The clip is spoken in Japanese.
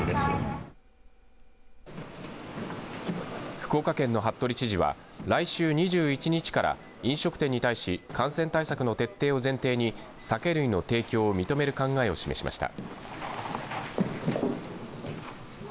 福岡県の服部知事は来週２１日から飲食店に対し感染対策の徹底を前提に酒類の提供を認める考えを示しました。